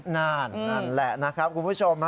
นั่นแหละนะครับคุณผู้ชม